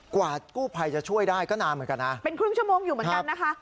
กว่ากู้ภัยจะช่วยได้ก็นานเหมือนกันนะเป็นครึ่งชั่วโมงอยู่เหมือนกันนะคะ